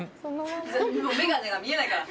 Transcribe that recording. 眼鏡が見えないから。